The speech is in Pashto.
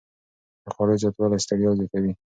د خوړو زیاتوالی ستړیا زیاتوي.